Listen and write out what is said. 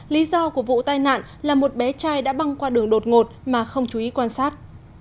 lý do của vụ tai nạn là một bé trai đã băng qua đường đột ngột mà không chú ý quan sát